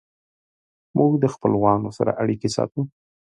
موږ د خپلوانو سره اړیکې ساتو.